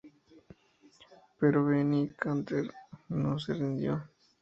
Pero Benny Carter no se rindió.